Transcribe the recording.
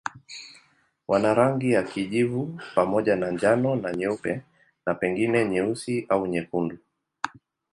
Wana rangi ya kijivu pamoja na njano na nyeupe na pengine nyeusi au nyekundu.